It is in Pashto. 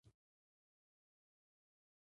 دا خاوره په سرو زرو پټه ده.